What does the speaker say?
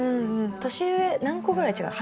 年上何個ぐらい違う？